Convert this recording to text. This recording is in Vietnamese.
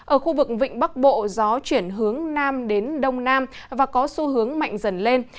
ở khu vực vịnh bắc bộ gió chuyển hướng nam đến đông nam và có xu hướng mạnh dần lên